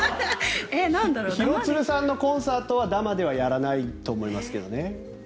廣津留さんのコンサートはダマではやらないと思いますけどね。